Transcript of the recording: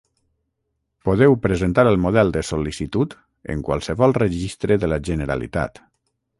Podeu presentar el model de sol·licitud en qualsevol registre de la Generalitat.